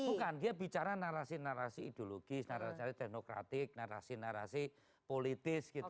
bukan dia bicara narasi narasi ideologis narasi narasi teknokratik narasi narasi politis gitu